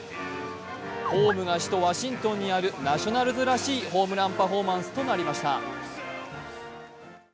ホームが首都ワシントンにあるナショナルズらしいホームランパフォーマンスとなりました。